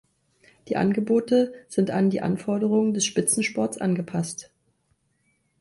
Die Angebote sind an die Anforderungen des Spitzensports angepasst.